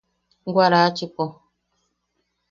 Warachipo.